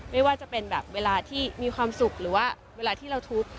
ไม่ว่าจะเป็นแบบเวลาที่มีความสุขหรือว่าเวลาที่เราทุกข์